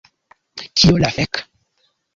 Kio la fek?